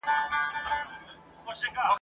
چي دي لاس تش سو تنها سوې نو یوازي خوره غمونه ..